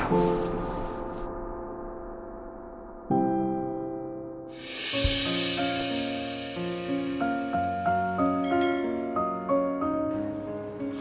aku masih kecil